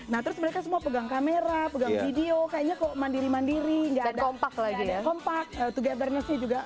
nah terus mereka semua pegang kamera pegang video kayaknya kok mandiri mandiri nggak kompak lagi kompak togernesty juga